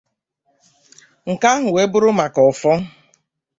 Nke ahụ wee bụrụ maka ọfọ